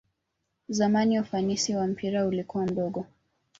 zamani ufanisi wa mpira ulikua mdogo